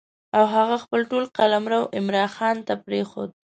او هغه خپل ټول قلمرو عمرا خان ته پرېښود.